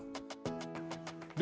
pantai tanjung layar